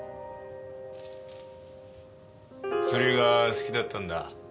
釣りが好きだったんだ。